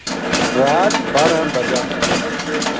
رات باہرہ بجا